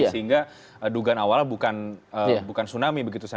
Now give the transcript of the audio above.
sehingga dugaan awalnya bukan tsunami begitu